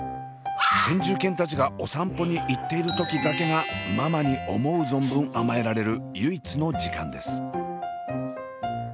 先住犬たちがお散歩に行っている時だけがママに思う存分甘えられる唯一の時間です。